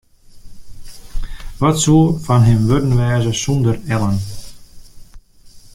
Wat soe fan him wurden wêze sonder Ellen?